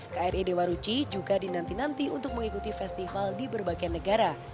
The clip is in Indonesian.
kri dewa ruci juga dinanti nanti untuk mengikuti festival di berbagai negara